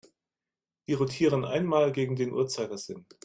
Wir rotieren einmal gegen den Uhrzeigersinn.